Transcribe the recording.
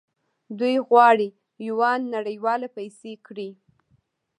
دوی غواړي یوان نړیواله پیسې کړي.